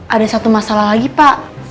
ada satu masalah lagi pak